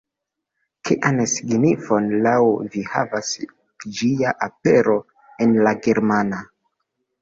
Kian signifon laŭ vi havas ĝia apero en la germana?